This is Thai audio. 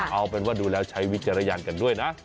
เอาเป็นว่าดูแล้วใช้วิจารณญาณกันด้วยนะ